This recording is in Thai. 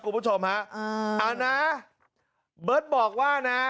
คุณผู้ชมฮะอ่าเอานะเบิร์ตบอกว่านะ